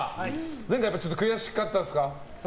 前回悔しかったですか？